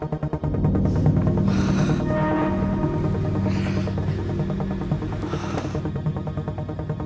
dan kamu harus memperbaiki itu dulu